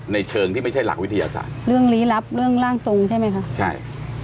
เชิงที่ไม่ใช่หลักวิทยาศาสตร์เรื่องลี้ลับเรื่องร่างทรงใช่ไหมคะใช่